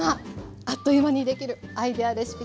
あっという間にできるアイデアレシピです。